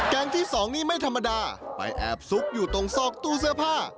ที่สองนี่ไม่ธรรมดาไปแอบซุกอยู่ตรงซอกตู้เสื้อผ้า